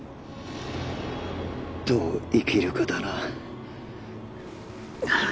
どう生きるかだな